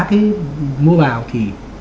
cái mua vào thì